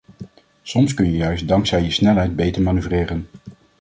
Soms kun je juist dankzij je snelheid beter manoeuvreren.